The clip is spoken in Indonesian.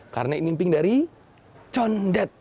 karena ini emping dari condet